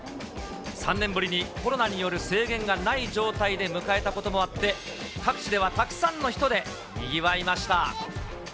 ３年ぶりにコロナによる制限がない状態で迎えたこともあって、各地ではたくさんの人でにぎわいました。